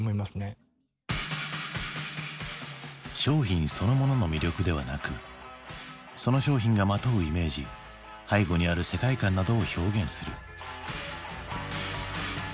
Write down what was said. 商品そのものの魅力ではなくその商品がまとうイメージ背後にある世界観などを表現する。